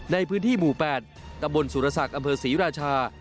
ในพื้นที่หมู่๘ตำบลสุรศักดิ์อำเภอศรีราชา